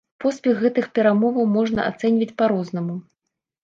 Поспех гэтых перамоваў можна ацэньваць па-рознаму.